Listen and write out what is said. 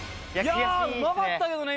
いやうまかったけどね